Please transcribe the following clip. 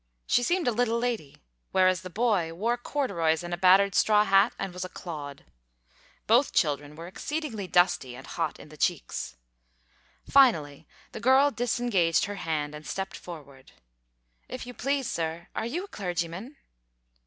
She seemed a little lady; whereas the boy wore corduroys and a battered straw hat, and was a clod. Both children were exceedingly dusty and hot in the cheeks. Finally, the girl disengaged her hand and stepped forward "If you please, sir, are you a clergyman?"